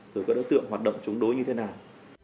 rồi các đối tượng hoạt động chống đối như thế nào